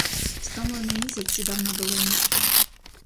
Стомлений місяць сідав на долину.